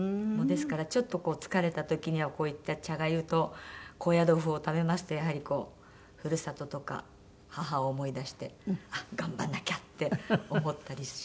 ですからちょっと疲れた時にはこういった茶粥と高野豆腐を食べますとやはりこう故郷とか母を思い出して頑張んなきゃって思ったりしますね。